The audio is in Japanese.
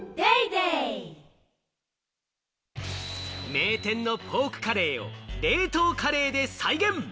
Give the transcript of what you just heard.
名店のポークカレーを冷凍カレーで再現。